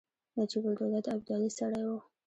نجیب الدوله د ابدالي سړی وو.